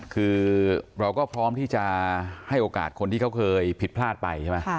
คือเราก็พร้อมที่จะให้โอกาสคนที่เขาเคยผิดพลาดไปใช่ไหม